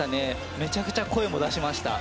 めちゃくちゃ声も出しました。